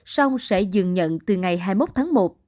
xong sẽ dừng nhận từ ngày hai mươi một tháng một